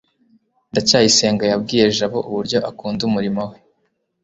ndacyayisenga yabwiye jabo uburyo akunda umurimo we